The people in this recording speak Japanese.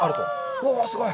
うわあ、すごい。